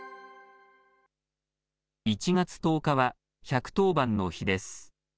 １月１０日は１１０番の日です。